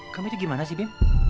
kamu itu gimana sih bin